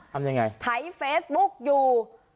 ทำยังไงถ่ายเฟซบุ๊กอยู่